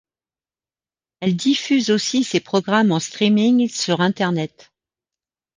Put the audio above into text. Elle diffuse aussi ses programmes en streaming sur internet.